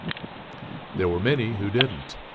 There were many who didn't.